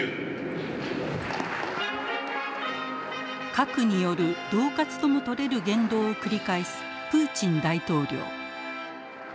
核による恫喝とも取れる言動を繰り返すプーチン大統領。